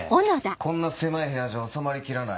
こんな狭い部屋じゃ収まりきらない。